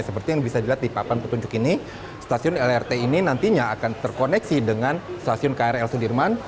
seperti yang bisa dilihat di papan petunjuk ini stasiun lrt ini nantinya akan terkoneksi dengan stasiun krl sudirman